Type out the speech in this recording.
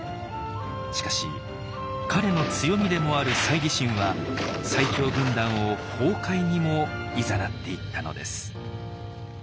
しかし彼の強みでもある猜疑心は最強軍団を崩壊にもいざなっていったのです。